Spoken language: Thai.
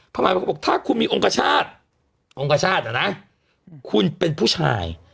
หมายมันก็บอกถ้าคุณมีองค์กชาติองค์คชาตินะคุณเป็นผู้ชาย